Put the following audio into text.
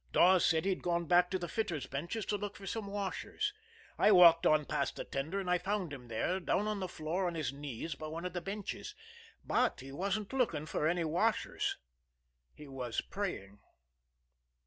Dawes said he had gone back to the fitters' benches to look for some washers. I walked on past the tender and I found him there down on the floor on his knees by one of the benches but he wasn't looking for any washers. He was praying."